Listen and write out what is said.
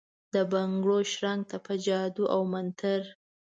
دبنګړو شرنګ ته ، په جادو اومنتر ،